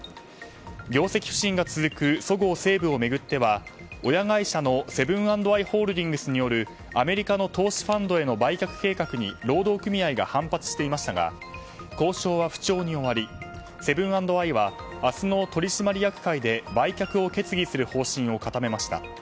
業績不振が続くそごう・西武を巡っては親会社のセブン＆アイ・ホールディングスによるアメリカの投資ファンドへの売却計画に労働組合が反発していましたが交渉は不調に終わりセブン＆アイは明日の取締役会で売却を決議する方針を固めました。